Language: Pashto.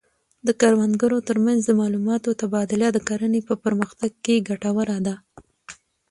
د کروندګرو ترمنځ د معلوماتو تبادله د کرنې په پرمختګ کې ګټوره ده.